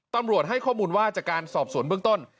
ตำรวจให้ข้อมูลว่าจากการสอบสวนเบื้องต้น